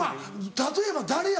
例えば誰や？